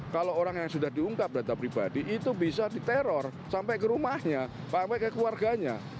kalau orang yang sudah diungkap data pribadi itu bisa diteror sampai ke rumahnya sampai ke keluarganya